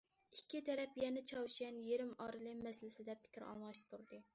ئىككى تەرەپ يەنە چاۋشيەن يېرىم ئارىلى مەسىلىسىدە پىكىر ئالماشتۇردى.